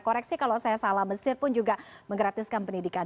koreksi kalau saya salah mesir pun juga menggratiskan pendidikan